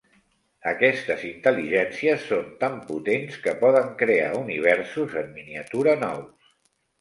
Aquestes intel·ligències són tan potents que poden crear universos en miniatura nous.